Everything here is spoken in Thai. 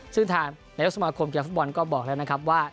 ซึ่งถามนัยยุคสมาคมเกี่ยวกับฟุตบอลก็บอกแล้วนะครับว่า